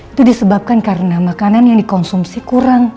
itu disebabkan karena makanan yang dikonsumsi kurang